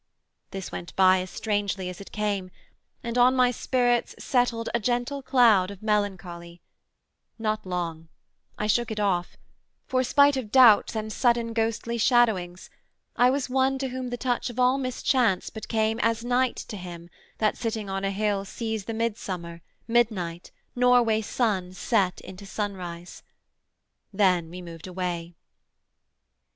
This went by As strangely as it came, and on my spirits Settled a gentle cloud of melancholy; Not long; I shook it off; for spite of doubts And sudden ghostly shadowings I was one To whom the touch of all mischance but came As night to him that sitting on a hill Sees the midsummer, midnight, Norway sun Set into sunrise; then we moved away.